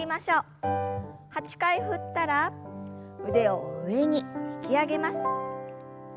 ８回振ったら腕を上に引き上げます。